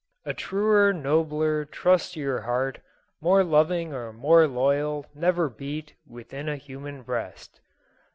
A truer, nobler, trustier heart, More loving or more loyal, never beat Within a huuian breast."